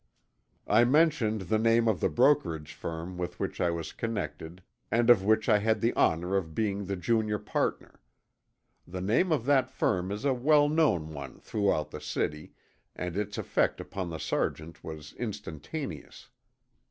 I mentioned the name of the brokerage firm with which I was connected and of which I had the honor of being the junior partner. The name of that firm was a well known one throughout the city and its effect upon the Sergeant was instantaneous.